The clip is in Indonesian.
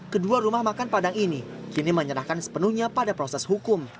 kedua rumah makan padang ini kini menyerahkan sepenuhnya pada proses hukum